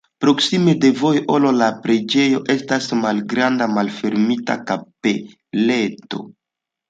Proksime de vojo al la preĝejo estas malgranda malfermita kapeleto.